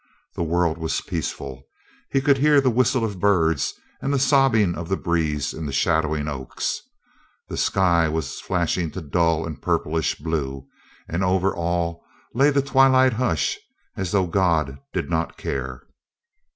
The world was peaceful. He could hear the whistle of birds and the sobbing of the breeze in the shadowing oaks. The sky was flashing to dull and purplish blue, and over all lay the twilight hush as though God did not care.